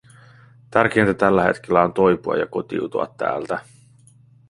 Tärkeintä tällä hetkellä on toipua ja kotiutua täältä.